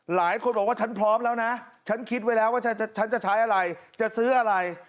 หลายคนบอกว่าฉันพร้อมแล้วนะฉันคิดไว้แล้วว่าฉันจะใช้อะไรจะซื้ออะไร